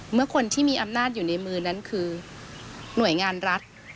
เมื่อคนที่มีอำนาจอยู่ในมือนั้นคือหน่วยงานรัฐ